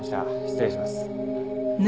失礼します。